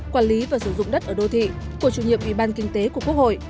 quản lý và sử dụng đất ở đô thị của chủ nhiệm ủy ban kinh tế của quốc hội